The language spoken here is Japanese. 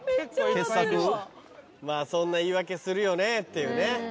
まぁそんな言い訳するよねっていうね。